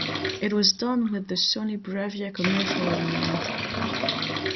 It was done with the Sony Bravia commercial in mind.